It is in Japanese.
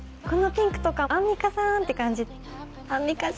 このピンクとかアンミカさんって感じ。